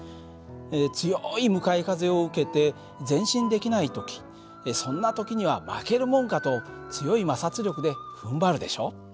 強い向かい風を受けて前進できない時そんな時には負けるもんかと強い摩擦力でふんばるでしょ？